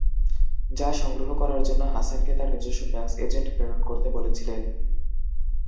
যা সংগ্রহ করার জন্য হাসানকে তার নিজস্ব ট্যাক্স এজেন্ট প্রেরণ করতে বলেছিলেন।